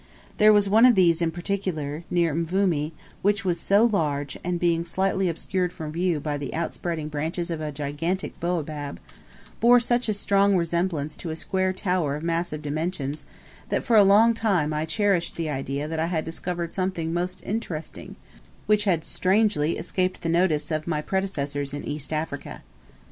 There was one of these in particular, near Mvumi, which was so large, and being slightly obscured from view by the outspreading branches of a gigantic baobab, bore such a strong resemblance to a square tower of massive dimensions, that for a long time I cherished the idea that I had discovered something most interesting which had strangely escaped the notice of my predecessors in East Africa.